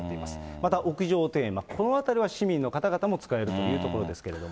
また屋上庭園、このあたりは市民の方々も使えるという所ですけれども。